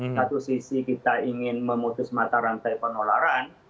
satu sisi kita ingin memutus mata rantai penularan